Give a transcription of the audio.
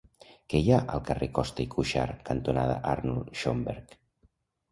Què hi ha al carrer Costa i Cuxart cantonada Arnold Schönberg?